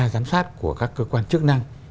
giám sát của các cơ quan chức năng